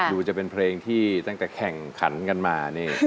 ดูจะเป็นเพลงที่ตั้งแต่แข่งขันกันมานี่